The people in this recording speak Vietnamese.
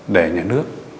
để nhà nước